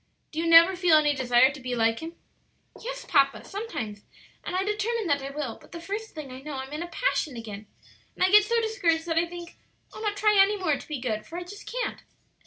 Do you never feel any desire to be like Him?" "Yes, papa, sometimes; and I determine that I will; but the first thing I know I'm in a passion again; and I get so discouraged that I think I'll not try any more to be good; for I just can't."